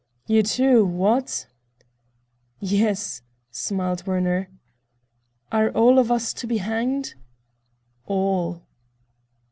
"You, too? What?" "Yes!" smiled Werner. "Are all of us to be hanged?" "All."